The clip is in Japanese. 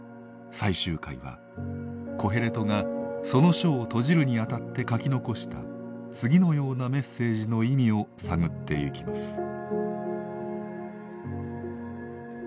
最終回はコヘレトがその書を閉じるにあたって書き残した次のようなメッセージの意味を探ってゆきます。